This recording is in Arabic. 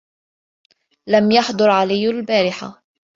لَمْ يَحْضُرْ عَلِيٌّ الْبَارِحَةَ.